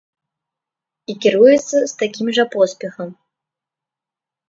І кіруецца з такім жа поспехам.